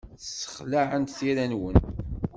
Ssexlaɛent tira-nwen.